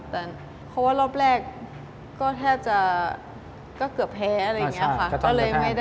แต่เพราะว่ารอบแรกก็แทบจะก็เกือบแพ้อะไรอย่างนี้ค่ะ